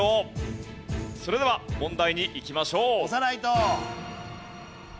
それでは問題にいきましょう。